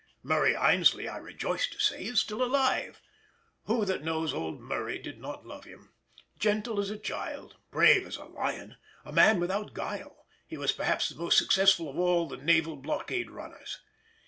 Murray Aynsley, I rejoice to say, is still alive. Who that knows "old Murray" does not love him; gentle as a child, brave as a lion, a man without guile, he was perhaps the most successful of all the naval blockade runners.